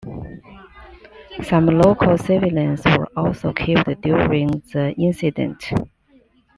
Some local civilians were also killed during the incident.